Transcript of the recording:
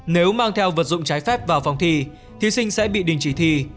nếu mang theo vật dụng trái phép vào phòng thi thí sinh sẽ bị đình chỉ thi